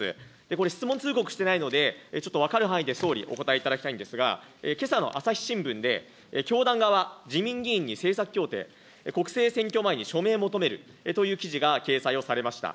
これ、質問通告してないので、ちょっと分かる範囲で総理、お答えいただきたいんですが、けさの朝日新聞で、教団側、自民議員に政策協定、国政選挙前に署名求めるという記事が掲載をされました。